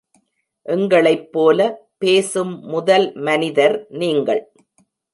எங்களைப் போல பேசும் முதல் மனிதர் நீங்கள்.